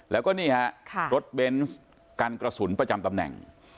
แล้วก็นี่ฮะรถเบนส์กันกระสุนประจำตำแหน่ง